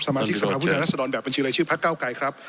สมาชิกสมภาพวิทยาลัยรัศดรแบบบัญชีเลยชื่อพระเก้าไกรครับ